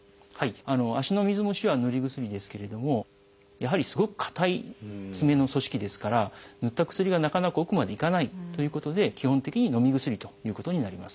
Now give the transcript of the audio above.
足の水虫はぬり薬ですけれどもやはりすごくかたい爪の組織ですからぬった薬がなかなか奥までいかないということで基本的にのみ薬ということになります。